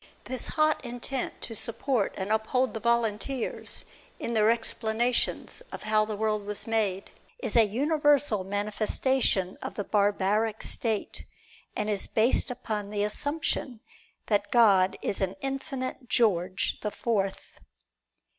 This hot intent to support and uphold the volunteers in their explanations of how the world was made, is a universal manifestation of the barbaric state, and is based upon the assumption that God is an infinite George the Fourth.